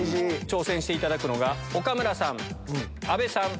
挑戦していただくのが岡村さん阿部さん